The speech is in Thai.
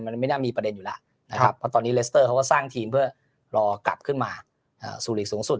มันไม่น่ามีประเด็นอยู่แล้วนะครับเพราะตอนนี้เลสเตอร์เขาก็สร้างทีมเพื่อรอกลับขึ้นมาสู่หลีกสูงสุด